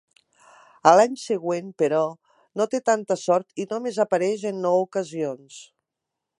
A l'any següent, però, no té tanta sort i només apareix en nou ocasions.